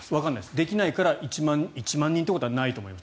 できないから１万人ということはないと思います。